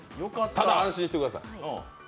ただ安心してください。